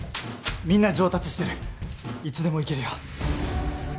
みんな上達してるいつでもいけるよ